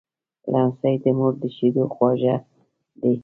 لمسی د مور د شیدو خواږه دی.